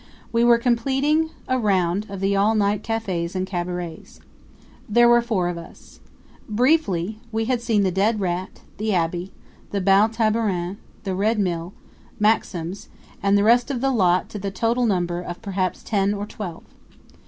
We were completing a round of the all night cafes and cabarets. There were four of us. Briefly, we had seen the Dead Rat, the Abbey, the Bal Tabarin the Red Mill, Maxim's, and the rest of the lot to the total number of perhaps ten or twelve.